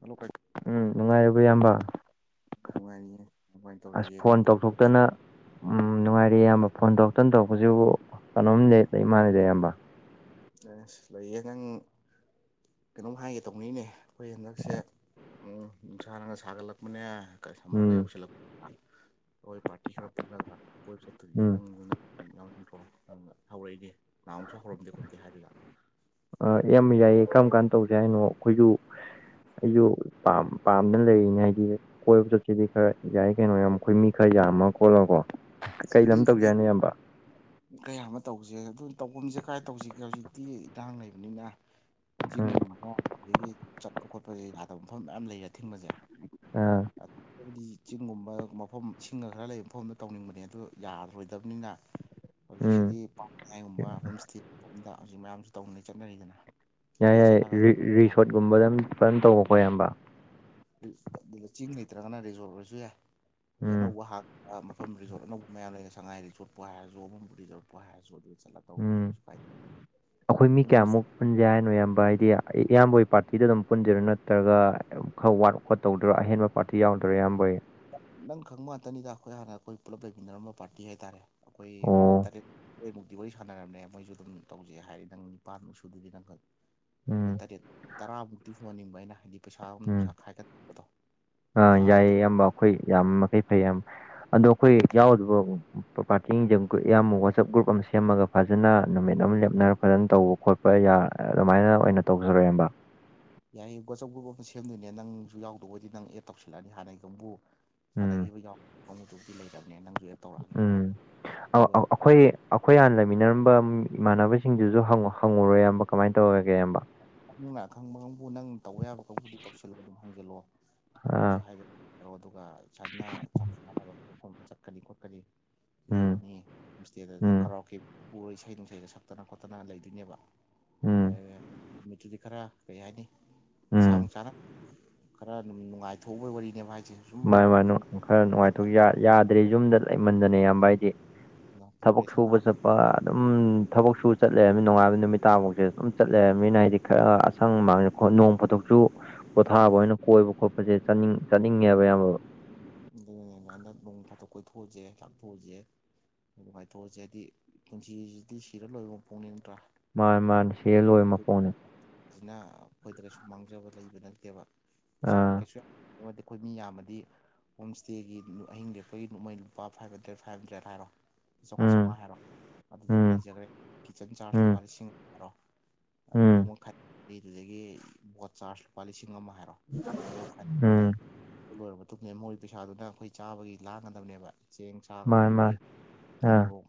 Hello ꯀꯩ ꯎꯝ ꯅꯨꯡꯉꯥꯏꯔꯤꯕ ꯏꯌꯥꯝꯕ ꯅꯨꯡꯉꯥꯏꯔꯤꯌꯦ ꯀꯃꯥꯏꯅ ꯑꯁ ꯇꯧꯔꯤꯒ‌ꯦ ꯐꯣꯟ ꯅꯪꯕꯨ ꯇꯧꯊꯣꯛꯇꯅ ꯎꯝ ꯅꯨꯡꯉꯥꯏꯔꯦ ꯏꯌꯥꯝꯕ ꯐꯣꯟ ꯇꯧꯔꯛꯇꯅ ꯇꯧꯔꯛꯄꯁꯤꯕꯨ ꯀꯅꯣꯝ ꯂꯩ ꯂꯩꯃꯥꯟꯂꯤꯗ ꯑ ꯏꯌꯥꯝꯕ ꯑꯁ ꯂꯩꯌꯦ ꯅꯪ ꯀꯩꯅꯣꯝ ꯍꯥꯏꯒꯦ ꯇꯧꯅꯤꯅꯦ ꯑꯩꯈꯣꯏ ꯍꯟꯗꯛꯁꯦ ꯎꯝ ꯅꯨꯡꯁꯥꯅꯒ ꯁꯥꯒꯠꯂꯛꯄꯅꯦ ꯀ ꯁꯃꯔꯒ ꯎꯝ ꯌꯧꯁꯤꯜꯂꯛꯄ ꯍꯣꯏ ꯄꯥꯔꯇꯤ ꯁꯨꯔꯛꯄꯒ [unintelligible] ꯀꯣꯏꯕ ꯆꯠꯇ‌ꯧꯔꯤꯌ‌ꯦ ꯎꯝ ꯅꯪꯗ ꯅꯪ ꯌꯥꯎꯔ‌ꯣꯏꯗ‌‍꯭‍ꯔ‌ꯣ ꯑꯪ ꯍꯧꯔꯛꯏꯅꯦ ꯅꯍꯃꯨꯛꯁꯨ ꯍꯧꯔꯝꯗꯦ ꯈꯣꯠꯀꯦ ꯍꯥꯏꯗꯅ ꯑ ꯌꯥꯝꯕ ꯌꯥꯏꯌꯦ ꯀꯔꯝ ꯀꯥꯟꯅ ꯇꯧꯁꯦ ꯍꯥꯏꯅꯣ ꯑꯩꯈꯣꯏꯁꯨ ꯑꯩꯁꯨ ꯄꯥꯝ‌‌ ꯄꯥꯝꯗꯅ ꯂꯩꯔꯤꯅꯦ ꯍꯥꯏꯗꯤ ꯀꯣꯏꯕ ꯆꯠꯁꯤꯗꯤ ꯈꯔ ꯌꯥꯏ ꯀꯩꯅꯣ ꯌꯥꯝ ꯑꯩꯈꯣꯏ ꯃꯤ ꯈꯔ ꯌꯥꯝꯃ ꯈꯣꯠꯂꯀꯣ ꯑꯗꯨꯅꯤ [unintelligible] ꯀꯌꯥ ꯑꯃ ꯇꯧꯖ‌ꯦ ꯑꯗꯨ ꯇꯧꯐꯝꯁꯦ ꯀꯥꯏ ꯇꯧꯁꯤꯒꯦ ꯍꯧꯖꯤꯛꯇꯤ ꯏꯟꯔꯥꯡ ꯂꯩꯕꯅꯤꯅ ꯎꯝ ꯆꯤꯡꯒꯨꯝꯕ ꯑꯗꯒꯤ ꯆꯠꯄ ꯈꯣꯠꯄꯁꯦ ꯌꯥꯗꯕ ꯃꯐꯝ ꯃꯌꯥꯝ ꯂꯩꯔꯦ ꯑꯊꯤꯡꯕꯁꯦ ꯑꯥ ꯑꯗꯩꯗꯤ ꯆꯤꯡꯒꯨꯝꯕ ꯃꯐꯝ ꯁꯤꯡꯒ ꯈꯔ ꯂꯩꯕ ꯃꯐꯝꯗ ꯇꯧꯅꯤꯡꯕꯅꯦ ꯑꯗꯨ ꯌꯥꯔꯣꯏꯗꯕꯅꯤꯅ ꯎꯝ ꯍꯧꯖꯤꯛꯁꯤꯗꯤ ꯄꯥꯠꯃꯌꯥꯏꯒꯨꯝꯕ ꯍ‌ꯣꯝꯏꯁꯇ‌ꯦꯒꯨꯝꯕꯃꯗ ꯍꯧꯖꯤꯛ ꯃꯌꯥꯝꯁꯨ ꯇꯧꯅꯩ ꯆꯠꯅꯔꯤꯗꯅ ꯌꯥꯏ ꯁꯤꯗ ꯆꯠꯂꯒ ꯌꯥꯏꯔꯤ ꯔꯤꯁꯣꯔꯠꯀꯨꯝꯕꯗꯝ ꯐꯟ ꯇꯧꯈꯣꯀꫭ ꯏꯌꯥꯝꯕ ꯑꯗꯨꯗ ꯆꯤꯡ ꯂꯩꯇ꯭ꯔꯒꯅ ꯔꯤꯖꯣꯔꯠ ꯑꯣꯏꯔꯁꯨ ꯌꯥꯏ ꯍꯧꯖꯤꯛ ꯎꯝ ꯑꯅꯧꯕ ꯍꯥꯡꯕ ꯃꯐꯝ ꯔꯤꯖꯣꯔꯠ ꯑꯅꯧꯕ ꯃꯌꯥꯝ ꯂꯩꯅꯦ ꯁꯉꯥꯏ ꯔꯤꯖꯣꯔꯠ ꯄꯣ ꯍꯥꯏꯔꯁꯨ ꯕꯝꯕꯨ ꯔꯤꯖꫭꯔꯠꯄꯨ ꯍꯥꯏꯔꯁꯨ ꯑꯗꯨ ꯆꯠꯂ ꯇꯧꯕꯁꯨ ꯎꯝ ꯀꯩꯁꯨ ꯀꯥꯏꯗꯦ ꯑꯩꯈꯣꯏ ꯃꯤ ꯑꯗꯨꯝ ꯀꯌꯥꯃꯨꯛ ꯄꯨꯟꯁꯦ ꯍꯥꯏꯅꯣ ꯏꯌꯥꯝꯕ ꯍꯥꯏꯗꯤ ꯑꯩ ꯏꯌꯥꯝꯕꯒꯤ ꯄꯥꯔꯇꯤꯗ ꯑꯗꯨꯝ ꯄꯨꯟꯖꯔꯣ ꯅꯠꯇ꯭ꯔꯒ ꯈꯔ ꯋꯥꯠ ꯈꯣꯠꯇꯧꯗꯔꯣ ꯑꯍꯦꯟꯕ ꯄꯥꯔꯇꯤ ꯌꯥꯎꯗ꯭ꯔꯔꯣ ꯏꯌꯥꯝꯕꯩ ꯅꯪ ꯈꯪꯕ ꯉꯥꯛꯇꯅꯤꯗ ꯑꯩꯈꯣꯏ ꯍꯥꯟꯅ ꯑꯩꯈꯣꯏ ꯄꯨꯂꯞ ꯂꯩꯃꯤꯟꯅꯔꯝꯕ ꯄꯥꯔꯇꯤ ꯍꯥꯏꯇꯥꯔꯦ ꯑꯩꯈꯣꯏ ꯑꯣ ꯇꯔꯦꯠ [unintelligible] ꯗꯤ ꯋꯥꯔꯤ ꯁꯥꯟꯅꯔꯕꯅꯦ ꯃꯣꯏꯁꯨ ꯑꯗꯨꯝ ꯇꯧꯖꯦ ꯍꯥꯏ ꯅꯪ ꯅꯤꯄꯥꯟꯃꯨꯛ ꯁꯨꯗꯨꯗꯤ ꯅꯪꯈꯛ ꯑꯩꯈꯣꯏ ꯎꯝ ꯇꯔꯦꯠ ꯇꯔꯥꯃꯨꯛꯇꯤ ꯍꯣꯟꯅꯤꯡꯕ ꯑꯩꯅ ꯍꯥꯏꯗꯤ ꯄꯩꯁꯥꯒ ꯅꯨꯡꯁꯥ ꯎꯝ ꯈꯥꯏꯒꯠꯄꯗꯣ ꯑꯥ ꯆꯥꯕ ꯌꯥꯏꯌꯦ ꯊꯛ ꯏꯌꯥꯝꯕ ꯑꯩꯈꯣꯏ ꯌꯥꯝ ꯃꯈꯩ ꯐꯩ ꯌꯥꯝ ꯑꯗꯣ ꯑꯩꯈꯣꯏ ꯌꯥꯎꯗꯕ ꯄ ꯄꯥꯔꯇꯤꯉꯩꯖꯨ ꯏꯌꯥꯝꯕ ꯋꯥꯆꯞ ꯒ꯭ꯔꯨꯞ ꯑꯃ ꯁꯦꯝꯃꯒ ꯐꯖꯅ ꯅꯨꯃꯤꯠ ꯑꯃ ꯂꯦꯞꯅꯔ ꯐꯖꯅ ꯇꯧꯕ ꯈꯣꯠꯄ ꯄ ꯌꯥ ꯑꯗꯨꯃꯥꯏꯅ ꯑꯣꯏꯅ ꯇꯧꯖꯔꯣ ꯏꯌꯥꯝꯕ ꯌꯥꯏꯌꯦ ꯒꯣꯆꯞ ꯒ꯭ꯔꯨꯞ ꯑꯃꯇ ꯁꯦꯝꯗꯣꯏꯅꯦ ꯅꯪꯁꯨ ꯌꯥꯎꯗꯕꯗꯤ ꯅꯪ ꯑꯦꯠ ꯇꯧꯁꯤꯜꯂꯛꯑꯅꯤ ꯍꯥꯟꯅꯒꯤꯒ ꯑꯃꯕꯨ ꯎꯝ ꯁꯥꯥꯅꯈꯤꯕ ꯌꯥꯎ ꯀꯥꯡꯕꯨꯗꯨꯕꯨꯗꯤ ꯂꯩꯔꯕꯅꯦ ꯅꯪꯁꯨ ꯑꯦꯠ ꯎꯝ ꯑꯧ ꯑꯧ ꯑꯩꯈꯣꯏ ꯑꯩꯈꯣꯏ ꯍꯥꯟꯅ ꯂꯩꯃꯤꯟꯅꯔꯝꯕ ꯏꯃꯥꯟꯅꯕꯁꯤꯡꯗꯨꯁꯨ ꯍꯪꯉꯨꯔꯣ ꯏꯌꯥꯝꯕ ꯀꯃꯥꯏꯅ ꯇꯧꯋꫭꯒꯦ ꯏꯌꯥꯝꯕ ꯅꯪꯅ ꯑꯈꯪꯕ ꯀꯥꯡꯕꯨ ꯅꯪ ꯇꯧꯕ ꯌꯥꯕ ꯀꯥꯡꯕꯨꯗꯤ ꯇꯧꯁꯤꯜꯂꯒ ꯑꯗꯨꯝ ꯍꯪꯖꯤꯜꯂꯣ ꯃꯣꯏꯁꯨ ꯑꯥ ꯍꯥꯏ [unintelligible] ꯑꯣ ꯑꯗꯨꯒ ꯁꯥꯏꯅ ꯆꯥꯛ ꯆꯥꯟꯅꯕ ꯃꯐꯝ ꯆꯠꯀꯅꯤ ꯈꯣꯠꯀꯅꯤ ꯎꯝ ꯂꯦꯎꯅꯤ ꯎꯁ꯭ꯇꯦꯗ ꯑꯗꯨ ꯎꯝ ꯀꯔꯥꯎꯀꯤ ꯄꯨꯔ ꯏꯁꯩ ꯅꯨꯡꯁꯒ ꯁꯛꯇꯅ ꯈꯣꯠꯇꯅ ꯂꯩꯗꯣꯏꯅꯦꯕ ꯎꯝ ꯅꯨꯃꯤꯠꯇꯨꯗꯤ ꯈꯔ ꯀꯩ ꯍꯥꯏꯅꯤ ꯏꯟꯁꯥ ꯎꯝ ꯅꯨꯡꯁꯥꯅ ꯈꯔ ꯅꯨꯡꯉꯥꯏꯊꯣꯛꯎꯕꯒꯤ ꯋꯥꯔꯤꯅꯦꯕ ꯍꯥꯏꯁꯦ ꯁꯨꯝ ꯃꯥꯥꯏ ꯃꯥꯅꯨꯡ ꯐꯪ ꯈꯔ ꯅꯨꯡꯉꯥꯏꯊꯣꯛ ꯌꯥꯗ꯭ꯔꯦ ꯌꯨꯝꯗ ꯂꯩꯃꯟꯗꯅ ꯌꯥꯝꯌꯥꯝꯕ ꯍꯥꯏꯗꯤ ꯊꯕꯛ ꯗꯤꯄ꯭ꯔꯦꯁꯟ ꯅꯥ ꯁꯨꯕ ꯆꯠꯄ ꯑꯗꯨꯝ ꯊꯕꯛꯁꯨꯨ ꯆꯠꯂꯦꯔꯃꯤ ꯅꯨꯡꯉꯥꯏꯕ ꯅꯨꯃꯤꯠ ꯇꯥꯐꯥꯎꯁꯦ ꯑꯗꯨꯝ ꯆꯠꯂꯦꯅꯤꯅ ꯍꯥꯏꯗꯤ ꯈꯔ ꯑꯁꯪꯕ ꯍꫭꯏ ꯅꯣꯡ ꯄꯣꯊꯣꯛꯁꯨ ꯄꯣꯊꯥꯕ ꯑꯣꯏꯅ ꯀꯣꯏꯕ ꯈꯣꯠꯄꯁꯦ ꯆꯠꯅꯤꯡ ꯆꯠꯅꯤꯡꯉꯦꯕ ꯏꯌꯥꯝꯕ [unintelligible] ꯑꯗꯨꯃꯥꯏꯅ ꯅꯣꯡ ꯐꯥꯇꯣꯛ ꯀꯣꯏꯊꯣꯟꯎꯁꯦ ꯂꯥꯡꯊꯣꯛꯎꯁꯦ ꯅꯨꯉꯥꯏꯊꯣꯛꯎꯖꯦ ꯍꯥꯏꯗꯤ ꯄꯨꯟꯁꯤꯁꯤꯗꯤ ꯁꯤꯔ ꯂꯣꯏꯕ ꯃꯄꯛꯅꯤꯡ ꯅꯠꯇ꯭ꯔꯥ ꯃꯥꯅꯦ ꯃꯥꯅꯦ ꯁꯤꯔ ꯂꯣꯏꯔ ꯃꯄꯣꯛꯅꯦ ꯁꯤꯅ ꯑꯩꯈꯣꯏꯗ ꯀꯩꯁꯨ ꯃꯥꯡꯖꯕ ꯂꯩꯕ ꯅꯠꯇꯦꯕ ꯄꯁꯥꯗ ꯑꯥ ꯀꯩꯁꯨ ꯑꯩꯈꯣꯏ ꯃꯤ ꯌꯥꯝꯃꯗꯤ ꯍꯣꯝ ꯏꯁꯇꯦꯒꯤ ꯑꯍꯤꯡ ꯂꯦꯛꯄꯒꯤ ꯅꯣꯡꯃꯩ ꯂꯨꯄꯥ ꯐꯥꯏꯚ ꯍꯟꯗ꯭ꯔꯦꯠ ꯐꯥꯏꯚ ꯍꯟꯗ꯭ꯔꯦꯠ ꯍꯥꯏꯔꯣ ꯆꯧꯉꯥ ꯆꯧꯉꯥ ꯎꯝ ꯍꯥꯏꯔꯣ ꯑꯗꯨ ꯑꯗꯨꯝ ꯎꯝ ꯂꯩꯖꯈ꯭ꯔꯦ ꯀꯤꯠꯆꯟ ꯆꯥꯔꯖ ꯎꯝ ꯂꯨꯄꯥ ꯂꯤꯁꯤꯡ ꯍꯥꯏꯔꯣ ꯑꯗꯨꯗꯨ ꯎꯝ ꯑꯃ ꯈꯠꯂꯤꯗꯨꯗꯒꯤ ꯕꯣꯠ ꯆꯥꯔꯖ ꯂꯨꯄꯥ ꯂꯤꯁꯤꯡ ꯑꯃ ꯍꯥꯏꯔꯣ ꯐꯅꯤ ꯐꯅꯤ ꯎꯝ ꯑꯗꯨ ꯂꯣꯏꯔꯕ ꯃꯇꯨꯡ ꯃꯣꯏꯒꯤ ꯄꯩꯁꯥꯗꯨꯅ ꯑꯩꯈꯣꯏ ꯆꯥꯕꯒꯤ ꯂꯥꯡꯒꯗꯕꯅꯦꯕ ꯆꯦꯡ ꯃꯥꯅꯤ ꯆꯥꯒꯗꯗꯒꯤ ꯃꯥꯅꯤ ꯊꯨꯝ ꯑꯥ ꯃꯣꯔꯣꯛ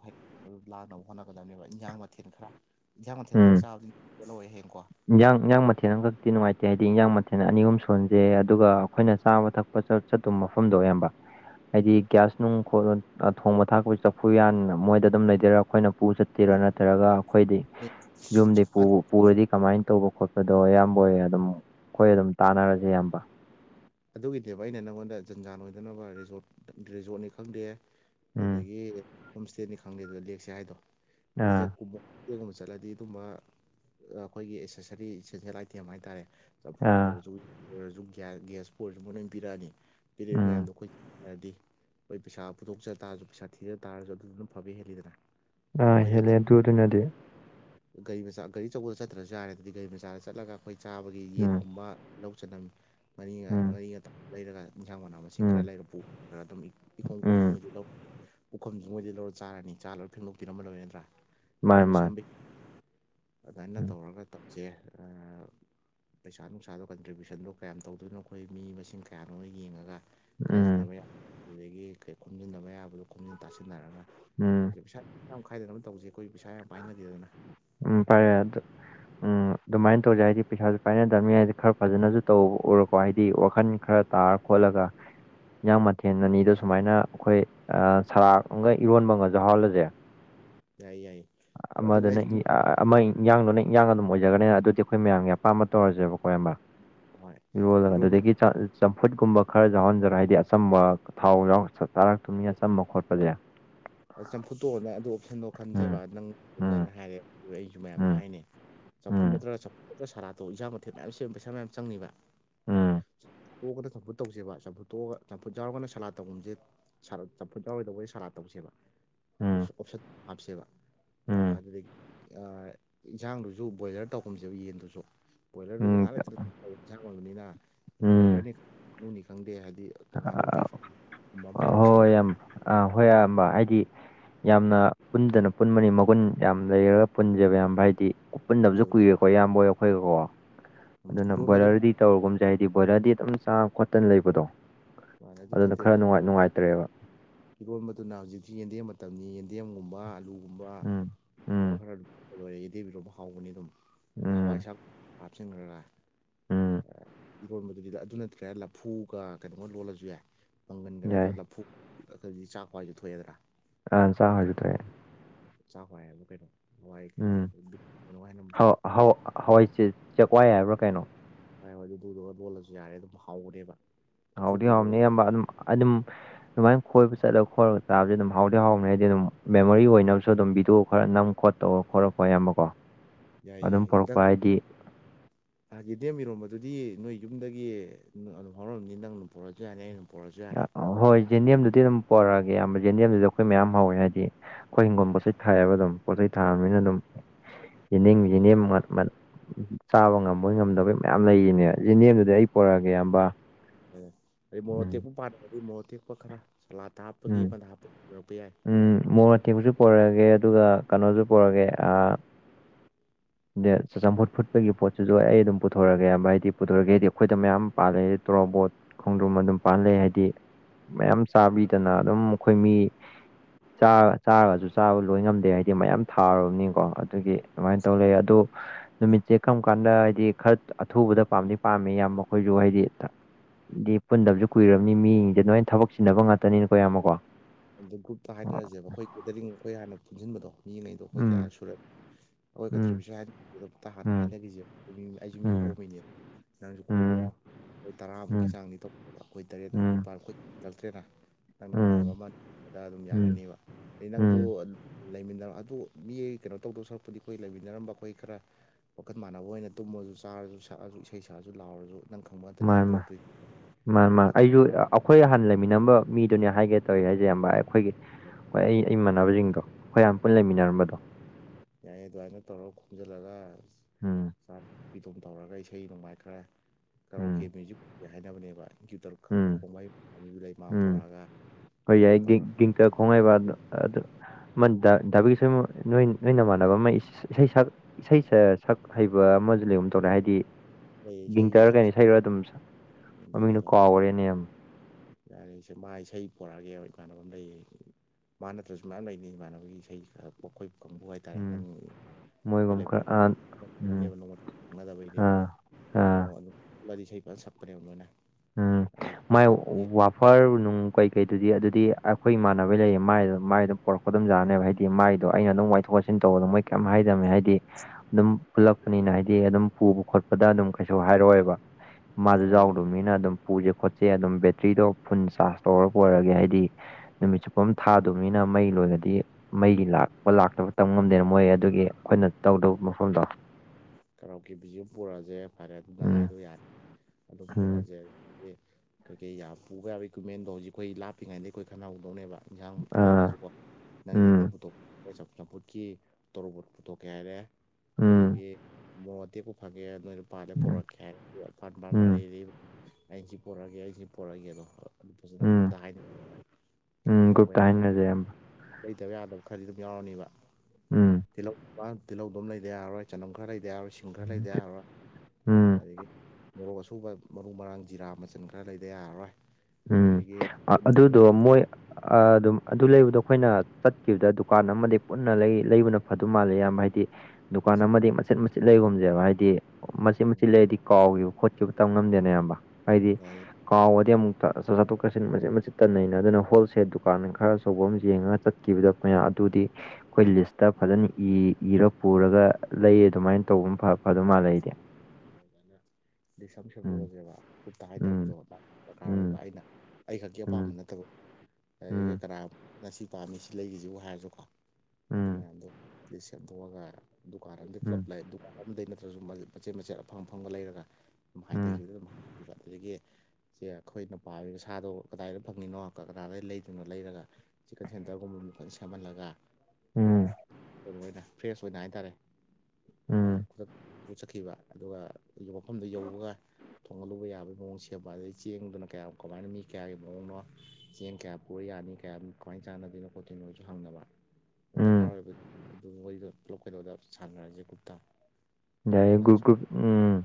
ꯂꯥꯛꯅꯕ ꯍꯣꯠꯅꯒꯗꯕꯅꯦꯕ ꯏꯟꯖꯥꯡ ꯃꯊꯦꯜ ꯈꯔ ꯏꯟꯖꯥꯡ ꯃꯊꯦꯜ ꯑꯃꯈꯛ ꯎꯝ ꯆꯥꯕꯗꯤ ꯄꯦꯜꯂꯛꯑꫭꯏ ꯍꯌꯦꯡꯀꯣ ꯏꯟꯖꯥꯡ ꯏꯟꯖꯥꯡ ꯃꯊꯦꯜ ꯑꯃꯈꯛꯇꯤ ꯅꯨꯡꯉꯥꯏꯇꯦ ꯍꯥꯏꯗꯤ ꯏꯟꯖꯥꯡ ꯃꯊꯦꯜ ꯑꯅꯤ ꯑꯍꯨꯝ ꯁꯣꯟꯖꯩ ꯑꯗꯨꯒ ꯑꯩꯈꯣꯏꯅ ꯆꯥꯕ ꯊꯛꯄ ꯆꯠꯇꯨꯝ ꯃꯐꯝꯗꯣ ꯏꯌꯥꯝꯕ [inaudible] ꯍꯥꯏꯗꯤ ꯒ꯭ꯌꯥꯁ ꯅꯨꯡ ꯈꯣꯠꯂꯨ ꯊꯣꯡꯕ ꯊꯥꯛꯄꯁꯨ ꯆꯐꯨ ꯌꯥꯟꯅ ꯃꯣꯏꯗ ꯑꯗꯨꯝ ꯂꯩꯖꯔ ꯑꯩꯈꯣꯏꯅ ꯄꯨ ꯇꯤꯔꯣ ꯅꯠꯇꯔꯒ ꯑꯩꯈꯣꯏꯗꯤ ꯌꯨꯝꯗꯤ ꯄꯨꯔꯗꯤ ꯀꯃꯥꯏꯅ ꯇꯧꯕ ꯈꯣꯠꯄꯗꯣ ꯑꯌꯥꯝꯕ ꯑꯣꯏꯌꯦ ꯑꯗꯨꯝ ꯑꯩꯈꯣꯏ ꯑꯗꯨꯝ ꯇꯥꯟꯅꯔꯁꯦ ꯏꯌꯥꯝꯕ ꯑꯗꯨꯒꯤꯗꯤꯕ ꯑꯩꯅ ꯅꯪꯉꯣꯟꯗ ꯖꯟꯖꯥꯟ ꯑꯣꯏꯗꯅꯕ ꯔꯤꯖꯣꯔꯠ ꯔꯤꯖꯣꯔꯠꯅꯤ ꯈꯪꯗꯦ ꯎꯝ ꯑꯗꯨꯗꯒꯤ ꯍꯣꯝ ꯏꯁꯇꯦꯅꯤ ꯈꯪꯗꯦ ꯑꯗꯨ ꯂꯦꯛꯁꯦ ꯍꯥꯏꯗꯣ ꯑꯥ ꯔꯤꯖꯔꯠ ꯀꯨꯝꯕ ꯀꯒꯨꯝꯕ ꯆꯠꯂꯗꯤ ꯑꯗꯨꯝꯕ ꯑꯩꯈꯣꯏꯒꯤ ꯑꯦꯁꯦꯁꯔꯤ ꯏꯁꯁꯦꯟꯁꯤꯦꯜ ꯑꯥꯏꯇꯦꯝ ꯍꯥꯏꯇꯥꯔꯦ ꯆꯐꯨꯕꯨꯨ ꯑꯥ ꯑꯣꯏꯔꯁꯨ ꯑꯣꯏꯔꯁꯨ ꯒ꯭ꯌꯥꯁꯄꯨ ꯑꯣꯏꯔꯁꯨ ꯃꫭꯏ ꯂꯣꯏ ꯄꯤꯔꯛꯑꯅꯤ ꯄꯤꯔꯛꯏꯕ ꯎꯝ ꯃꯌꯥꯝꯗꯣ [unintelligible] ꯑꯩꯈꯣꯏ ꯄꯩꯁꯥ ꯄꯨꯊꯣꯛꯆ ꯇꯥꯔꯁꯨ ꯄꯩꯁꯥ ꯊꯤꯖ ꯇꯥꯔꯁꯨ ꯑꯗꯨꯗꯨ ꯑꯗꯨꯝ ꯐꯕ ꯍꯦꯜꯂꯤꯗꯅ ꯑꯥ ꯑꯩꯈꯣꯏꯗ ꯅꯪ ꯍꯦꯜꯂꯦ ꯑꯗꯨ ꯑꯗꯨꯅꯗꯤ ꯒꯥꯔꯤ ꯃꯆꯥ ꯒꯥꯔꯤꯆꯧꯕꯗ ꯆꯠꯇ꯭ꯔꯁꯨ ꯌꯥꯔꯦ ꯑꯗꯨꯗꯤ ꯒꯥꯔꯤ ꯃꯆꯥꯗ ꯆꯠꯂꯒ ꯑꯩꯈꯣꯏ ꯆꯥꯕꯗ ꯑꯩꯈꯣꯏꯒꯤ ꯎꯝ ꯌꯦꯟꯒꯨꯝꯕ ꯂꯧ ꯆꯅꯝ ꯃꯔꯤꯒ ꯎꯝ ꯃꯔꯤꯒ ꯂꯩꯔꯒ ꯏꯟꯁꯥꯡ ꯃꯅꯥ ꯃꯁꯤꯡ ꯎꯝ ꯈꯔ ꯂꯩꯔꯨ ꯄꯨ ꯑꯗꯨꯃꯤ ꯏꯈꯣ ꯈꯣꯝꯗ ꯎꯝ ꯃꯣꯏꯗꯤ ꯂꯧ ꯄꯨꯈꯝꯗꯨ ꯃꯣꯏꯗꯤ ꯂꯧꯔ ꯆꯥꯔꯅꯤ ꯆꯥꯔꯔ ꯐꯦꯡꯗꯣꯛꯄꯤꯤꯔꯝꯃ ꯂꯣꯏ ꯅꯠꯇ꯭ꯔꯥ ꯃꯥꯅꯤ ꯑꯗꯨꯅ ꯃꯥꯅꯤ ꯆꯕꯤ ꯑꯗꯨꯃꯥꯏꯅ ꯇꯧꯔꯒ ꯇꯧꯁꯦ ꯄꯩꯁꯥ ꯅꯨꯡꯁꯥꯗꯣ ꯀꯟꯇ꯭ꯔꯤꯕ꯭ꯌꯨꯁꯟꯗꯣ ꯀꯌꯥꯝ ꯇꯧꯗꯣꯏꯅꯣ ꯑꯩꯈꯣꯏ ꯃꯤ ꯃꯁꯤꯡ ꯀꯌꯥꯅꯣ ꯌꯦꯡꯉꯒ ꯎꯝ ꯀꯥꯏꯖꯤꯟꯅꯕ ꯑꯗꯨꯗꯒꯤ ꯈꯣꯝꯖꯤꯟꯅꯕ ꯌꯥꯕꯗꯣ ꯈꯣꯝꯖꯤꯟ ꯇꯥꯁꯤꯟꯅꯔꯒ ꯎꯝ ꯇꯧꯁꯦ ꯄꯩꯁꯥ ꯌꯥꯝ ꯈꯥꯏꯗꯅꯕ ꯇꯧꯁꯦ ꯑꯩꯈꯣꯏ ꯄꯩꯁꯥ ꯌꯥꯝ ꯄꯥꯏꯅꯗꯦꯗꯅ ꯎꯝ ꯐꯔꯦ ꯑꯗꯨ ꯎ ꯑꯗꯨꯃꯥꯏꯅ ꯇꯧꯁꯦ ꯍꯥꯏꯗꯤ ꯄꯩꯁꯥꯁꯨ ꯄꯥꯏꯅꯗꯝꯃꯤ ꯍꯥꯏꯗꯤ ꯈꯔ ꯐꯖꯅꯁꯨ ꯇꯧꯕ ꯎꯔꯣꯀꯣ ꯍꯥꯏꯗꯤ ꯋꯥꯈꯜ ꯈꯔ ꯇꯥꯔ ꯈꯣꯠꯂꯒ ꯏꯟꯥꯡ ꯎꯝ ꯃꯊꯦꯜ ꯑꯅꯤꯗ ꯁꯨꯃꯥꯏꯅ ꯑꯩꯈꯣꯏ ꯁꯔꯥꯛꯒ ꯏꯔꯣꯟꯕꯒꯁꯨꯍꯜꯂꯁꯦ ꯌꯥꯏ ꯌꯥꯏꯌꯦ ꯑꯗꯨ ꯏ ꯑ ꯑꯃ ꯏꯌꯥꯡꯗꯨꯅ ꯏꯟꯡꯥꯡ ꯑꯗꯨꯝ ꯑꯣꯏꯖꯒꯅꯤꯅ ꯑꯗꯨꯗꯤ ꯑꯩꯈꯣꯏ ꯃꯌꯥꯝꯒꯤ ꯑꯄꯥꯝꯕ ꯇꯧꯔꯁꯦꯕꯀꯣ ꯑꯃꯝꯕ ꯍꯣꯏ ꯣꯜ ꯏꯔꯣꯟ ꯑꯗꯨꯗꯒꯤ ꯆ ꯆꯝꯐꯨꯠꯀꯨꯝꯕ ꯈꯔ ꯌꯥꯎꯍꯟꯖꯔ ꯍꯥꯏꯗꯤ ꯑꯆꯝꯕ ꯊꯥꯎ ꯌꯥ ꯆꯥꯔꯛ ꯆꯝꯐꯨꯠꯇꯣꯛꯑꯣ ꯅ ꯑꯗꯨ ꯑꯣꯞꯁꯟꯗꯣ ꯈꯟꯖꯦꯕ ꯎꯝ ꯅꯪ ꯎꯝ ꯑꯗꯨꯃꯥꯏꯅ ꯍꯥꯏꯔ ꯑꯗꯨ ꯑꯩꯁꯨ ꯃꯌꯥꯝꯗ ꯎꯝ ꯍꯥꯏꯅꯤ ꯆꯝꯐꯨꯟ ꯎꯝ ꯅꯠꯇ꯭ꯔꯒ ꯆ ꯁꯔꯥꯇꯣ ꯏꯖꯆꯥ ꯃꯊꯦꯛ ꯃꯌꯥꯝ ꯁꯦꯝꯕ ꯄꯩꯁꯥ ꯃꯌꯥꯝ ꯆꯪꯉꯕ ꯎꯝ ꯀꯣꯛꯑꯒ ꯆꯝꯨꯠ ꯇꯧꯁꯦꯕ ꯆꯝꯨ ꯇꯣꯛꯑꯒ ꯆꯝꯨ ꯌꯥ ꯆꯥꯎꯔꯒ ꯁꯂꯥ ꯇꯧꯒꯨꯝꯁꯦ ꯆꯝꯐꯨꯟ ꯌꯥꯎꯔꯣꯏꯗꯧꯕꯗꯤ ꯁꯥꯔꯥ ꯇꯧꯁꯦꯕ ꯎꯝ ꯑꯣꯞꯁꯟ ꯍꯥꯞꯁꯦꯕ ꯑꯗꯨꯗꯒꯤ ꯏꯟꯁꯥꯡꯗꯨꯁꯨ ꯕꯣꯏꯂꯔ ꯇꯧꯐꯝꯨꯝꯁꯦꯕ ꯌꯦꯟꯗꯨꯁꯨ ꯎꯝ ꯀꯣꯏꯂꯔꯗꯨꯗꯤ ꯎꯝ ꯉꯥꯏꯍꯥꯛ ꯂꯩꯇꯁꯥꯡ ꯑꯣꯏꯕꯅꯤꯅ ꯎꯝ ꯀꯣꯏꯂꯔꯅꯤꯅꯤ ꯈꯪꯗꯦ ꯍꯥꯏꯕꯗꯤ ꯇꯣꯉꯥꯟꯅꯕꯤꯐ ꯃꯣꯍꯃꯠ ꯍꯣꯏ ꯌꯥꯝ ꯑꯥ ꯍꯣꯏ ꯑꯝꯕ ꯍꯥꯏꯗꯤ ꯌꯥꯝꯅ ꯄꯨꯟꯗꯅ ꯄꯨꯟꯕꯅꯤ ꯃꯒꯨꯟ ꯌꯥꯝ ꯂꯩꯔꯒ ꯄꯨꯟꯁꯦꯕ ꯌꯥꯝꯕ ꯍꯥꯏꯗꯤ ꯄꯨꯟꯗꯕꯁꯨ ꯀꯨꯏꯔꯦꯀꯣ ꯏꯌꯥꯝꯕ ꯑꯣꯏ ꯑꯩꯈꯣꯏꯒꯀꯣ ꯑꯗꯨꯅ ꯏꯔꯣꯟꯕꯗꯨꯅ ꯕꯣꯏꯂꯔꯗꯤ ꯇꯧꯔꯨꯒꯨꯝꯁꯦ ꯍꯥꯏꯗꯤ ꯕꯣꯏꯂꯔꯗꯤ ꯑꯗꯨꯝ ꯆꯥ ꯈꯣꯠꯇꯅ ꯂꯩꯕꯗꯣ ꯑꯗꯨꯅ ꯈꯔ ꯅꯨꯡꯉꯥꯏ ꯅꯨꯡꯉꯥꯏꯇ ꯐꯤꯔꯣꯕꯨꯅ ꯍꯧꯖꯤꯛꯁꯤ ꯌꯦꯟꯗꯦꯝ ꯃꯇꯝꯅꯤ ꯌꯦꯟꯗꯦꯝꯒꯨꯝꯕ ꯑꯂꯨꯒꯨꯝꯕ ꯎꯝ ꯎꯝ ꯈꯔ ꯑꯗꯨꯝ ꯂꯣꯏꯔꯦ ꯏꯊꯦꯕꯤꯗꯣ ꯍꯥꯎꯕꯅꯤ ꯑꯗꯨꯝ ꯍꯋꯥꯏ ꯎꯝ ꯁꯔꯥꯛ ꯍꯥꯞꯆꯤꯟꯈ꯭ꯔꯒ ꯎꯝ ꯂꯣꯟꯕꯗꯨꯗꯤ ꯑꯗꯨ ꯅꯠꯇ꯭ꯔꯒ ꯂꯐꯨꯒ ꯀꯩꯅꯣꯒ ꯂꯣꯜꯂꯁꯨ ꯌꯥꯏ ꯃꯪꯒꯟꯒ ꯌꯥꯏ ꯅꯠꯇ꯭ꯔꯒ ꯐ ꯑꯩꯈꯗꯤ ꯆꯥꯛꯄ ꯍꯥꯏꯏꯁꯨ ꯊ ꯊꯣꯛꯒꯗ꯭ꯔꯥ ꯑ ꯆꯥ ꯑꯣꯀꯦ ꯍꯥꯏꯔꯁꯨ ꯊꯣꯛꯑꯦ ꯆꯏ ꯍꯥꯏꯕ ꯀꯩꯅꯣ ꯍꯋꯥꯏꯣ ꯍꯥꯏ ꯍ ꯑꯩꯣꯏꯁꯦ ꯆꯦꯛꯋꯥꯏ ꯍꯥꯏꯕ꯭ꯔꯥ ꯀꯩꯅꯣ ꯍ ꯍꯣꯏ ꯑꯗꯨꯗꯨ ꯂꯣꯜꯂꯁꯨ ꯌꯥꯔꯦ ꯑꯗꯨꯝ ꯍꯥꯎꯈꯔꯦꯕ ꯍꯥꯎꯗꯤ ꯍꯥꯎꯅꯤ ꯑꯌꯥꯝꯕ ꯑꯗꯨꯝ ꯑꯗꯨꯝ ꯑꯗꯨꯃꯥꯏꯅ ꯈꯣꯏꯕ ꯆꯠꯂꯒ ꯈꯣꯠꯂꯒ ꯆꯥꯕꯁꯦ ꯑꯗꯨꯝ ꯍꯥꯎꯗꯤ ꯍꯥꯎꯅ ꯍꯥꯏꯗꯤ ꯑꯗꯨꯝ ꯃꯦꯃꯣꯔꯤ ꯑꯣꯏꯅꯕꯁꯨ ꯑꯗꯨꯝ ꯚꯗꯤꯑꯣ ꯈꯔ ꯅꯝ ꯈꯣꯠ ꯇꯧ ꯈꯣꯔꯛꯄ ꯑꯌꯥꯝꯕꯀꯣ ꯌꯥꯏꯌꯦ ꯑꯗꯨꯝ ꯐꯣꯔꯛꯄ ꯍꯥꯏꯗꯤ ꯐꯥꯒꯤꯦ ꯗꯦꯝ ꯏꯔꯣꯝꯕꯗꯨꯗꯤ ꯅꯣꯏ ꯌꯨꯝꯗꯒꯤ ꯑꯗꯨꯝ ꯍꯧꯔꯝꯅꯤ ꯅꯪ ꯑꯗꯨꯝ ꯄꯨꯣꯔꯛꯁꯨ ꯌꯥꯅꯤ ꯑꯩꯅ ꯀꯂꯖꯔꯦ ꯑ ꯍꯣꯏ ꯖꯦꯅꯤꯗꯤ ꯑꯦꯝꯗꯨꯗꯤ ꯑꯗꯨꯝ ꯄꯔꯛꯑꯒꯦ ꯌꯥꯝꯕ ꯖꯦꯅꯤꯗꯤ ꯑꯦꯝꯗꯨꯗ ꯑꯩꯈꯣꯏ ꯃꯌꯥꯝ ꯍꯧꯋꯦ ꯍꯥꯏꯗꯤ ꯑꯩꯈꯣꯏ ꯍꯪꯒꯣꯝ ꯄꯣꯠꯆꯩ ꯊꯥꯏꯑꯦꯕ ꯑꯗꯨꯝ ꯄꯣꯠꯆꯩ ꯊꯥꯕꯅꯤꯅ ꯑꯗꯨꯝ ꯌꯦꯅꯤꯡ ꯌꯦꯅꯦꯝ ꯎ ꯆꯥꯕ ꯉꯝꯕꯣꯏ ꯉꯝꯗꯕꯩ ꯃꯌꯥꯝ ꯂꯩꯔꯤꯅꯦ ꯏꯖꯤꯅꯦꯦꯝꯗꯨꯗꯤ ꯑꯩ ꯄꯣꯔꯛꯑꯒꯦ ꯑꯝꯕ ꯑꯗꯩ ꯃꯣꯔꯣꯛ ꯇꯦꯛꯄ ꯄꯥꯗꯗꯤ ꯃꯣꯔꯣꯛ ꯇꯦꯛꯄ ꯈꯔ ꯁꯂꯥꯗꯠꯇ ꯍꯥꯞꯄꯒꯤ ꯎꯝ ꯑꯃꯗ ꯍꯥꯞꯄ ꯑꯣꯏꯔꯛꯄ ꯌꯥꯏ ꯎꯝ ꯃꯣꯔ ꯑꯊꯦꯛꯕꯁꯨ ꯄꯔꯛꯑꯒꯦ ꯑꯗꯨꯒ ꯀꯩꯅꯣꯁꯨ ꯄꯨꯔꯛꯑꯒꯦ [unintelligible] ꯑ ꯆ ꯆꯝꯐꯨꯠ ꯐꯨꯠꯒꯤ ꯄꯣꯠꯁꯤꯁꯨ ꯑꯩ ꯑꯗꯨꯝ ꯄꯨꯊꯣꯔꯛꯒꯦ ꯑꯕ ꯍꯥꯏꯗꯤ ꯄꯨꯊꯣꯔꯛꯒꯦ ꯍꯥꯏꯗꯤ ꯑꯩꯈꯣꯏꯗ ꯃꯌꯥꯝ ꯄꯥꯜꯂꯦ ꯇꯣꯔꯣꯕꯣꯠ ꯈꯣꯡꯗ꯭ꯔꯨꯝ ꯑꯗꯨꯝ ꯄꯥꯂꯩ ꯍꯥꯏꯗꯤ ꯃꯌꯥꯝ ꯆꯥꯕꯤꯗꯅ ꯑꯗꯨꯝ ꯑꯩꯈꯣꯏ ꯃꯤ ꯆꯥ ꯆꯥꯔꯒꯁꯨ ꯆꯥꯕ ꯂꯣꯏ ꯉꯝꯗꯦ ꯍꯥꯏꯗꯤ ꯃꯌꯥꯝ ꯊꯥꯨꯔꯕꯅꯤꯀꯣ ꯑꯗꯨꯒꯤ ꯑꯗꯨꯃꯥꯏꯅ ꯇꯧ ꯂꯩ ꯑꯗꯣ ꯅꯨꯃꯤꯠꯁꯦ ꯀꯔꯝ ꯀꯥꯟꯗ ꯍꯥꯏꯗꯤ ꯈꯔ ꯑꯊꯨꯕꯗ ꯄꯥꯝꯗꯤ ꯄꯥꯝꯃꯤ ꯌꯥꯝ ꯃꯈꯣꯏꯁꯨ ꯍꯥꯏꯗꯤ ꯑꯗꯨ ꯄꯨꯟꯗꯕꯁꯨ ꯀꯨꯏꯔꯕꯅꯤ ꯃꯤꯁꯦ ꯅꯣꯏꯅ ꯊꯕꯛ ꯆꯤꯟꯅꯕ ꯉꯥꯛꯇꯅꯤꯅꯀꯣ ꯌꯥꯝꯃꯀꯣ ꯑꯗ ꯒ꯭ꯔꯨꯞꯇ ꯍꯥꯏꯅꯔꯁꯦꯕ ꯑꯩꯈꯣꯏ ꯒꯦꯗꯡ ꯑꯩꯈꯣꯏ ꯍꯥꯟꯅ ꯄꯨꯟꯁꯤꯟꯕꯗꯣ ꯃꯤꯉꯩꯗꯣ ꯑꯩꯈꯣꯏ ꯀꯌꯥ ꯎꯝ ꯁꯨꯔꯦ ꯑꯩꯈꯣꯏ ꯎꯝ ꯀꯠꯇ꯭ꯔꯤꯕꯁꯨ ꯍꯥꯏ ꯑꯇꯥ ꯍꯥꯟꯅ ꯎꯝ ꯍꯥꯏꯅꯈꯤꯁꯦꯕ ꯑꯩꯁꯨ ꯃꯤ ꯎꯝ ꯈꯣꯝꯃꯤꯅꯦ ꯅꯪꯁꯨ ꯈꯣꯝꯃꯣ ꯎꯝ ꯑꯩꯈꯣꯏ ꯇꯔꯥꯃꯨꯛꯀꯤ ꯎꯝ ꯆꯥꯡꯗꯤ ꯇꯧ ꯑꯩꯈꯣꯏ ꯇꯔꯦꯠ ꯎꯝ ꯅꯤꯄꯥꯜ ꯈꯨꯣꯏꯂꯛꯇ꯭ꯔꯦꯅ ꯅꯪ ꯎꯝ ꯅꯃꯥꯟꯅꯕ ꯑꯃ ꯗ ꯑꯗꯨꯝ ꯎꯝ ꯌꯥꯔꯅꯦꯕ ꯑꯗꯩ ꯎꯝ ꯅꯪꯁꯨ ꯂꯩꯃꯤꯟꯅꯕ ꯑꯗꯨ ꯃꯤ ꯀꯩꯅꯣ ꯇꯧꯗꯧ ꯁꯔꯨꯛꯄ ꯑꯗꯨꯗꯤ ꯑꯩꯈꯣꯏ ꯂꯩꯃꯤꯟꯅꯔꯝꯕ ꯑꯩꯈꯣꯏ ꯈꯔ ꯋꯥꯈꯠ ꯃꯥꯟꯅꯕ ꯑꯣꯏꯅ ꯇꯨꯝꯃꯁꯨ ꯆꯥꯔꯁꯨ ꯁꯛꯑꯁꯨ ꯏꯁꯩ ꯁꯛꯑꯁꯨ ꯂꯥꯎꯔꯁꯨ ꯅꯪ ꯈꯪꯕ ꯉꯥꯛꯇꯅꯦ ꯑꯩ ꯃꯥꯅꯤ ꯃꯥꯅꯤ ꯏꯕ꯭ꯔꯣꯇ꯭ꯔꯤ ꯑꯗꯨ ꯇꯧ ꯃꯤꯟꯅꯝꯕ ꯃꯤꯗꯨꯅꯤ ꯍꯥꯏꯒꯦ ꯇꯧꯋ ꯍꯥꯏꯁꯦ ꯌꯥꯝ ꯑꯩꯈꯣꯏꯒꯤ ꯍꯣꯏ ꯑꯩ ꯏꯃꯥꯟꯅꯕꯁꯤꯡꯗꯣ ꯑꯩꯈꯣꯏꯌꯥꯝ ꯄꯨꯟꯅ ꯂꯩꯃꯤꯟꯅꯔꯝꯕꯗꯣ ꯌꯥꯏꯌꯦ ꯑꯗꯨꯃꯥꯏꯅ ꯇꯧꯔꯒ ꯈꯣꯝꯖꯤꯜꯂꯒ ꯎꯝ ꯆꯥꯛ ꯄꯤꯇꯣꯝ ꯇꯧꯔꯒ ꯏꯁꯩ ꯅꯣꯡꯃꯥꯏ ꯈꯔ ꯀꯧꯔꯛꯀꯦ ꯎꯝ ꯃ꯭ꯌꯨꯖꯤꯛ ꯑꯣꯏ ꯍꯥꯏꯅꯕꯅꯦꯕ ꯏꯟꯀ꯭ꯌꯨꯇꯔ ꯎꯝ ꯈꯣꯡꯕꯩ ꯂꯩ ꯃꯥ ꯎꯝ ꯄꯨꯣꯔꯛꯑꯒ ꯂꯩꯗ ꯇꯧꯔꯒ ꯍꯣꯡꯉꯩꯕꯒꯤ ꯁ ꯅꯣꯏꯅ ꯃꯥꯟꯅꯕ ꯑꯃ ꯏꯁꯩ ꯁꯛ ꯏꯁꯩ ꯁ ꯁꯛ ꯍꯩꯕ ꯑꯃꯁꯨ ꯂꯩꯨꯝ ꯇꯧꯔꯦ ꯍꯥꯏꯗꯤ ꯂꯩ ꯏꯁꯩ ꯒꯤꯡꯇꯔ ꯀꯩꯅ ꯏꯁꯩꯔ ꯑꯗꯨꯝ ꯃꯃꯤꯡꯅ ꯀꯥꯎꯈꯔꯦꯅꯦ ꯌꯥꯝ ꯌꯥꯔꯦꯁꯦ ꯃꯥ ꯏꯁꯩ ꯄꯣꯔꯛꯑꯒꯦ ꯑꯩ ꯀꯥꯟꯅꯕ ꯑꯃ ꯂꯩꯌꯦ ꯃꯥ ꯅꯠꯇ꯭ꯔꯁꯨ ꯃꯅ ꯂꯩꯅꯤꯩ ꯏꯃꯥꯟꯅꯕꯒꯤ ꯏꯁꯩ ꯈꯔ ꯃꯈꯣꯏ ꯀꯥꯡꯕꯨ ꯍꯥꯏꯇꯥꯔꯦ ꯅꯪ ꯎꯝ ꯃꯣꯏꯒꯨꯝ ꯈꯔ ꯑ ꯎꯝ ꯍꯂꯦꯕꯤꯗꯅꯦꯕ ꯅꯣꯡꯉ ꯃꯖꯕꯩ ꯏꯅꯤꯕ ꯑꯥ ꯑꯥ ꯑꯗꯨ ꯋꯥꯔꯤꯗꯤ ꯁꯕ ꯁꯛꯄꯅꯦꯕꯅꯣꯏꯅ ꯎꯝ ꯃꯥꯏ ꯋꯥ ꯐꯔ ꯅꯨꯡ ꯀꯩꯀꯩꯗꯨꯗꯤ ꯑꯗꯨꯗꯤ ꯑꯩꯈꯣꯏ ꯏꯃꯥꯟꯅꯕꯩ ꯂꯩꯌꯦ ꯃꯥꯏ ꯃꯥꯏ ꯑꯗꯨꯝ ꯄꯣꯔꯛꯄ ꯑꯗꯨꯝ ꯌꯥꯥꯅꯦꯕ ꯍꯥꯏꯗꯤ ꯍꯥꯏ ꯃꯥꯏꯗꯣ ꯑꯩꯅ ꯑꯗꯨꯝ ꯋꯥꯏꯊꯣꯛ ꯋꯥꯏꯁꯤꯟ ꯇꯧꯕ ꯑꯗꯨ ꯃꯣꯏ ꯀꯌꯥꯝ ꯍꯥꯏꯗꯝꯃꯦ ꯍꯥꯏꯗꯤ ꯑꯗꯨꯝ ꯄꯨꯜꯂꯛꯄꯅꯤꯅ ꯍꯥꯏꯗꯤ ꯑꯗꯨꯝ ꯄꯨꯕ ꯈꯣꯠꯄꯗ ꯑꯗꯨꯝ ꯀꯩꯁꯨ ꯍꯥꯏꯔꯣꯏꯏꯕ ꯃꯥꯖ ꯌꯥꯏꯌꯦ ꯌꯥꯎꯗꯣꯃꯤ ꯅ ꯑꯗꯨꯝ ꯄꯨꯁꯦ ꯈꯣꯠꯁꯦ ꯑꯗꯨꯝ ꯕꯦꯇ꯭ꯔꯤꯗꯣ ꯐꯨꯟ ꯆꯥꯔꯖ ꯇꯧꯔꯒ ꯄꯨꯔꯒꯦ ꯍꯥꯏꯗꯤ ꯅꯨꯃꯤꯠ ꯆꯨꯞꯄꯝ ꯊꯥꯗꯕꯅꯤꯅ ꯃꯩ ꯂꯣꯏꯒꯗꯤ ꯃꯩꯒꯤ ꯂꯥꯛꯄ ꯂꯥꯛꯇꯕ ꯇꯝ ꯉꯝꯗꯦꯅ ꯃꯣꯏ ꯑꯗꯨꯒꯤ ꯑꯩꯈꯣꯏꯅ ꯇꯧꯗꯧꯕ ꯃꯐꯝꯗꯣ ꯀꯔꯧꯀꯤꯕꯤꯁꯤꯝ ꯄꯨꯔꯛꯑꯁꯦ ꯐꯔꯦ ꯑꯗꯨꯅ ꯎꯝ ꯍꯥꯏꯗꯣ ꯌꯥꯔꯦ ꯑꯗꯨꯝ ꯎꯝ ꯄꯨꯔꯛꯑꯁꯦ ꯀꯩ ꯀꯩ ꯌꯥꯝ ꯄꯨꯕ ꯌꯥꯕ ꯏꯀ꯭ꯋꯤꯞꯃꯦꯟꯗꯣ ꯍꯧꯖꯤꯛ ꯑꯩꯈꯣꯏ ꯂꯥꯞꯄꯤꯔꯤꯉꯩ ꯑꯩꯈꯣꯏ ꯈꯟꯅꯍꯧꯗꯧꯅꯦꯕ ꯌꯦꯟꯁꯥꯡꯃꯛꯇꯨ ꯑꯥ ꯂꯩꯔꯁꯨꯀꯣ ꯅꯪ ꯌꯦꯟꯗꯅ ꯎꯝ ꯄꯨꯊꯣꯛ ꯆꯝꯐꯨꯠꯀꯤ ꯇꯣꯔꯨꯕ ꯄꯨꯊꯣꯛꯀꯦ ꯍꯥꯏꯔꯦ ꯎꯝ ꯑꯗꯨꯗꯒꯤ ꯃꯣꯇ ꯄꯨꯐꯦꯅ ꯄꯥꯂ ꯄꯨꯔ ꯎꯝ ꯍꯥꯏ ꯀꯥꯔ ꯎꯝ ꯑꯩꯁꯤ ꯄꯣꯔꯛꯑꯒꯦ ꯑꯩꯁꯤ ꯄꯣꯔꯛꯑꯒꯦ ꯑꯗꯣ ꯑꯗꯨ ꯐꯖꯅ ꯎꯝ ꯚꯨꯨꯞꯠꯇ ꯍꯥꯏꯗ ꯀꯩꯀꯩ ꯎꯝ ꯇꯧꯕ ꯒ꯭ꯔꯨꯞꯇ ꯌꯥꯕ ꯍꯥꯏꯅꯔꯁꯦ ꯑꯌꯥꯝꯕ ꯂꯩꯇꯕ ꯌꯥꯗꯕ ꯈꯔꯗꯤ ꯑꯗꯨꯝ ꯌꯥꯎꯔꯅꯦꯕ ꯎꯝ ꯇꯤꯜꯍꯧ ꯇꯤꯜꯍꯧꯗꯨꯝ ꯂꯩꯗꯤ ꯌꯥꯔꯣꯏ ꯆꯅꯝ ꯈꯔ ꯂꯩꯗꯤ ꯌꯥꯔꯣꯏ ꯏꯁꯤꯡ ꯈꯔ ꯂꯩꯗꯤ ꯌꯥꯔꯣꯏ ꯎꯝ ꯑꯗꯒꯤ ꯃꯣꯔꯣꯛ ꯑꯁꯨꯕ ꯃꯔꯨ ꯃꯔꯥꯡ ꯖꯤꯔꯥ ꯃꯆꯜ ꯈꯔ ꯂꯩꯕ ꯌꯥꯔꯔꯣꯏ ꯎꯝ ꯑꯗꯒꯤ ꯑꯗꯨꯗꯣ ꯊꯨꯝ ꯃꯣꯏ ꯑ ꯑꯗꯨꯝ ꯑꯗꯨ ꯂꯩꯕꯗꯣ ꯑꯩꯈꯣꯏꯅ ꯆꯠꯈꯤꯕꯗ ꯗꯨꯀꯥꯟ ꯑꯃꯗꯤ ꯄꯨꯟꯅ ꯂꯩ ꯂꯩꯕꯅ ꯐ ꯑꯗꯨ ꯃꯥꯜꯂꯦ ꯑꯌꯥꯝꯕ ꯍꯥꯏꯕꯗꯤ ꯗꯨꯀꯥꯟ ꯑꯃꯗꯤ ꯃꯆꯦꯠ ꯃꯆꯦ ꯃꯆꯤꯠꯂꯒꯨꯝꯁꯦꯕ ꯍꯥꯏꯗꯤ ꯃꯆꯤꯟꯠ ꯃꯆꯤꯠꯂ ꯂꯩꯗꯤ ꯀꯥꯎꯈꯤꯕ ꯈꯣꯠꯈꯤꯕ ꯇꯧ ꯉꯝꯗꯦꯅꯦꯌꯥꯝꯕ ꯍꯥꯏꯗꯤ ꯌꯥꯏ ꯀꯥꯎ [unintelligible] ꯃꯦꯠ ꯃꯆꯦꯠ ꯇꯟꯅꯩꯩꯅ ꯑꯗꯨꯅ ꯍꯣꯜꯁꯦꯜ ꯗꯨꯀꯥꯟ ꯈꯔ ꯑꯆꯧꯕ ꯑꯃ ꯌꯦꯡꯉꯒ ꯆꯠ ꯀꯤꯕꯗ ꯃꯌꯥ ꯑꯗꯨꯗꯤ ꯑꯩꯈꯣꯏ ꯂꯤꯁꯇ ꯐꯖꯅ ꯏꯔ ꯄꯨꯔꯒ ꯂꯩ ꯑꯗꯨꯃꯥꯏꯅ ꯇꯧꯕ ꯐꯗ ꯃꯥꯜꯂꯦꯗꯤ ꯂꯤꯁꯝ ꯎꯝ ꯁꯦꯝꯗꯣꯛꯑꯁꯦꯕ ꯈꯨꯠꯇ ꯍꯥꯏꯗꯕꯗꯣ ꯎꯝ ꯎꯝ [unintelligible] ꯑꯩꯅ ꯑꯩ ꯈꯛꯀꯤ ꯑꯄꯥꯝꯕ ꯎꯝ ꯅꯠꯇꯕ ꯑꯗꯒꯤ ꯎꯝ ꯀꯅꯥꯁꯤ ꯄꯥꯝꯃꯤ ꯁꯤ ꯂꯩꯒꯤꯁꯤꯕꯨ ꯍꯥꯏꯔꯁꯨꯀꯣ ꯑꯗꯨ ꯎꯝ ꯃꯌꯥꯝꯗꯣ ꯂꯤꯁ ꯁꯦꯝꯞꯗꯣꯛꯑꯒ ꯗꯨꯀꯥꯟ ꯑꯃꯗꯤ ꯄꯨꯂꯞ ꯎꯝ ꯂꯩ ꯗꯨꯀꯥꯟ ꯑꯃꯗꯒꯤ ꯅꯠꯇ꯭ꯔꯁꯨ ꯃꯆꯦꯠ ꯃꯆꯦꯠ ꯑꯐꯪ ꯑꯐꯪꯕ ꯂꯩꯔꯒ ꯑꯗꯨꯝ ꯎꯝ ꯍꯥꯏꯊꯈꯤꯕꯗ ꯑꯗꯨꯝ ꯑꯗꯨꯗꯒꯤ ꯁꯦ ꯑꯩꯈꯣꯏꯅ ꯄꯥꯃꯤꯒ ꯁꯥꯗꯣ ꯀꯗꯥꯏꯗ ꯐꯪꯉꯤꯅꯣ ꯀꯗꯥꯗ ꯂꯩꯗꯣꯏꯔꯤꯅꯣ ꯂꯩꯔꯒ ꯆꯤꯛꯀꯟ ꯁꯦꯟꯇꯔꯒꯨꯝꯕ ꯑꯃ ꯐꯖꯅ ꯁꯦꯝꯍꯜꯂꯒ ꯎꯝ [unintelligible] ꯐ꯭ꯔꯦꯁ ꯑꯣꯏꯅ ꯍꯥꯏ ꯇꯔꯦ ꯎꯝ ꯈꯠ ꯆꯠꯈꯤꯕ ꯑꯗꯨꯒ ꯃꯐꯝꯗꯨ ꯌꯧꯕꯒ ꯊꯣꯡꯍꯜꯂꯨꯕ ꯌꯥꯕꯒꯤ ꯃꯑꯣꯡ ꯁꯦꯝꯕ ꯑꯗꯗꯒꯤ ꯆꯦꯡꯗꯨꯅ ꯀꯌꯥ ꯀꯃꯥꯏꯅ ꯃꯤ ꯀꯌꯥꯒꯤ ꯃꯑꯣꯡꯅꯣ ꯆꯦꯡ ꯀꯌꯥ ꯄꯨꯔ ꯌꯥꯅꯤ ꯀꯌꯥ ꯀꯃꯥꯏꯅ ꯆꯥꯟꯅꯗꯣꯏꯅꯣ ꯈꯣꯠꯇꯣꯏꯅꯣꯁꯨ ꯍꯪꯅꯕ ꯗꯔꯀꯥꯔ ꯎꯝ ꯑꯣꯏꯕ ꯑꯗꯨ ꯃꯣꯏꯗꯣ ꯄꯨꯂꯞ ꯀꯩꯅꯣꯗ ꯁꯥꯟꯅꯔꯁꯦ ꯀꯨꯞꯇ ꯌꯥꯏꯦ ꯒ꯭ꯔꯨꯞ ꯎꯝ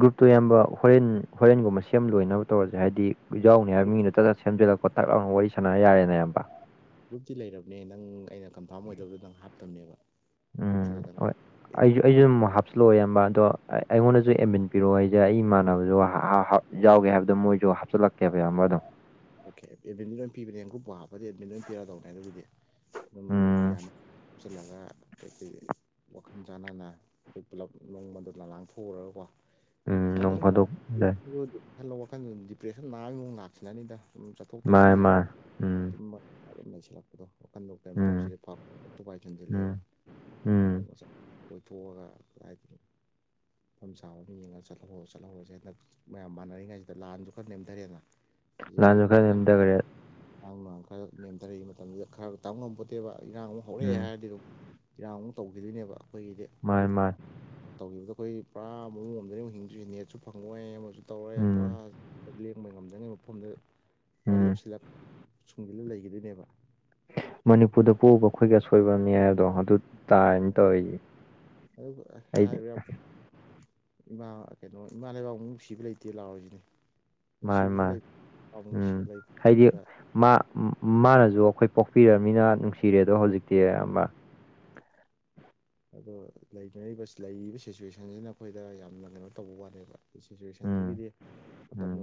ꯒ꯭ꯔꯨꯞꯇꯣ ꯑꯌꯥꯝꯕ ꯍꯣꯔꯦꯟ ꯍꯣꯔꯦꯟꯒꯨꯝꯕ ꯁꯦꯝ ꯂꯣꯏꯅꯕ ꯇꯧꯔꯁꯦ ꯍꯥꯏꯗꯤ ꯌꯥꯎꯅꯤ ꯍꯥꯏꯕ ꯒ꯭ꯔꯨꯞ ꯃꯤꯗꯨ ꯇ ꯁꯦꯝꯖꯂꯒ ꯈꯣꯠꯇꯥꯛ ꯂꯥꯎꯅ ꯋꯥꯔꯤ ꯁꯥꯥꯟꯅ ꯌꯥꯔꯦꯅ ꯏꯌꯥꯝꯕ ꯒ꯭ꯔꯨꯞꯇꯤ ꯂꯩꯔꯕꯅꯦ ꯅꯪ ꯑꯩꯅ ꯀꯟꯐꯥꯔꯝ ꯑꯣꯏꯗꯕꯗꯨꯅꯪ ꯍꯥꯞꯇꯕꯅꯦꯕ ꯎꯝ ꯒ꯭ꯔꯨꯞꯇꯨꯗ ꯅꯪ ꯍꯣꯏ ꯑꯩꯁꯨ ꯑꯩꯁꯨ ꯑꯃꯨꯛ ꯍꯥꯞꯆꯤꯜꯂꯛꯑꯣ ꯏꯌꯥꯝꯕ ꯑꯗꯣ ꯑꯩꯉꯣꯟꯗꯁꯨ ꯑꯦꯝꯕꯤꯟ ꯄꯤꯔꯛꯑꯣ ꯑꯩꯁꯦ ꯑꯩ ꯏꯃꯅꯕꯁꯨ ꯌꯥꯎꯒꯦ ꯍꯥꯏꯕꯗꯣ ꯃꯣꯏꯁꯨ ꯍꯥꯞꯆꯤꯜꯂꯛꯀꯦꯕ ꯌꯥꯝꯕ ꯑꯗꯨꯝ ꯑꯣꯀꯦ ꯑꯦꯗꯃꯤ ꯑꯃ ꯄꯤꯕꯅꯦ ꯑꯪꯒꯨꯞꯄ ꯍꯥꯞꯕꯗꯤ ꯑꯦꯗꯃꯤꯠ ꯂꯣꯏ ꯄꯤꯔꯗꯧꯅꯦ ꯑꯗꯨꯒꯤꯗꯤ ꯑꯗꯨꯝ ꯎꯝ ꯌꯥꯅꯤ ꯆꯂꯒ [unintelligible] ꯋꯥꯈꯜ ꯆꯥꯅꯅ ꯑꯩꯈꯣꯏ ꯄꯨꯂꯞ ꯅꯣꯡꯃꯗꯨꯗ ꯂꯥꯡꯊꯣꯛꯎꯔꯒꯀꯣ ꯎꯝ ꯗ ꯅꯣꯡ ꯁꯨꯝ ꯐꯥꯗꯣꯛ ꯌꯥꯏ. ꯋꯥꯈꯜ ꯗꯤꯄ꯭ꯔꯦꯁꯟ ꯂꯥꯛꯑꯒꯤ ꯃꯑꯣꯡ ꯂꯥꯛꯁꯤꯅꯅꯤꯗ ꯁꯨꯝ ꯃꯥꯅꯦ ꯆꯠꯊꯣꯛꯇꯕꯤ ꯃꯥꯅꯦ ꯎꯝ ꯑꯗꯨꯨꯝ ꯑꯗꯨꯝ ꯂꯩꯁꯜꯂꯛꯄꯗꯣ ꯋꯥꯈꯟꯗ ꯀꯔꯤꯝ ꯎꯝ ꯇꯧꯁꯤꯂꯦ ꯇꯨ ꯄꯥꯏꯁꯤꯟꯁꯤꯜꯂꯑꯦꯕ ꯎꯝ ꯎꯝ [unintelligible] ꯊꯣꯛꯑꯒ ꯍꯥꯏꯗꯤ ꯃꯐꯝ ꯆꯥꯕ ꯑꯃ ꯌꯦꯡꯉꯒ ꯆꯠꯍꯧ ꯆꯠꯍꯧꯔꯁꯦ ꯍꯟꯗꯛ ꯃꯌꯥꯝ ꯃꯥꯟꯅꯔꯤꯉꯥꯏꯁꯤꯗ ꯂꯥꯟꯁꯨ ꯈꯔ ꯅꯦꯝꯊꯔꯦꯅ [unintelligible] ꯅꯦꯝꯗꯒꯔꯦ ꯑꯥꯡ ꯃꯃꯥꯡ ꯈꯔ ꯅꯦꯝꯊꯔꯛꯏ ꯃꯇꯝꯁꯤꯗ ꯈꯔ ꯇꯥ ꯉꯝꯄꯣꯠꯇꯦꯕ ꯏꯔꯥꯡ ꯑꯃ ꯍꯧꯔꯛꯑꯦ ꯎꯝ ꯍꯥꯏꯔꯗꯤ ꯑꯗꯨꯝ ꯏꯔꯥꯡꯃꯨꯛ ꯇꯧꯈꯤꯗꯣꯏꯅꯦꯕ ꯑꯩꯈꯣꯏꯒꯤꯗꯤ ꯃꯥꯏ ꯃꯥꯥꯏ ꯇꯧꯈꯤꯕꯗꯣ ꯑꯩꯈꯣꯏ ꯄꯨꯔꯥ ꯃꯑꯣꯨꯡ ꯑꯃꯗꯅꯤ ꯑꯃꯨꯛ ꯍꯤꯡꯗ꯭ꯔꯤ ꯅꯦꯠꯁꯨ ꯐꯪꯉꯣꯏ ꯑꯃꯁꯨ ꯇꯧꯔꯦ ꯄꯨꯔꯥ ꯎꯝ ꯂꯦꯡꯕ [unintelligible] ꯃꯐꯝꯗꯨ ꯄꯨꯔꯥ ꯎꯝ ꯂꯦꯞꯁꯤꯜꯂꯦꯞ ꯁꯨꯡꯁꯤꯂ ꯂꯩꯈꯤꯗꯣꯏꯅꯦꯕ ꯃꯅꯤꯄꯨꯔꯗ ꯄꯣꯛꯕ ꯑꯩꯈꯣꯏꯒꯤ ꯑꯁꯣꯏꯕꯅꯤ ꯍꯥꯏꯕꯗꯣ ꯑꯗꯨ ꯇꯥꯏꯅ ꯇꯧꯋ ꯑꯗꯨ [unintelligible] ꯏꯃꯥ ꯀꯩꯅꯣ ꯏꯃꯥ ꯂꯩꯕꯥꯛꯃꯨꯛ ꯅꯨꯡꯁꯤꯕ ꯂꯩꯇꯦ ꯂꯥꯎꯑꯣꯔꯤꯁꯤꯅꯦ ꯃꯥꯅꯤ ꯃꯥꯅꯤ ꯅꯨꯡꯁꯤꯕꯨꯖꯂꯥꯏ ꯎꯝ ꯍꯥꯏꯗꯤ [unintelligible] ꯃꯥ ꯃꯥꯅꯁꯨ ꯑꯩꯈꯣꯏ ꯄꯣꯛꯄꯤꯔꯅꯤꯅ ꯅꯨꯡꯁꯤꯔꯦ ꯑꯗꯣ ꯍꯧꯖꯤꯛꯇꯤ ꯑꯃ ꯑꯗꯣꯔꯤꯕ ꯂꯩꯔꯤꯕ ꯁꯤꯆꯨꯋꯦꯁꯟꯁꯤꯅ ꯑꯩꯈꯣꯏꯗ ꯌꯥꯝꯅ ꯀꯩꯅꯣ ꯇꯧꯕ ꯋꯥꯅꯦꯕ ꯎꯝ ꯁꯤꯆꯨꯋꯦꯁꯟꯁꯤꯒꯤꯗꯤ ꯃꯇꯝ ꯎꯝ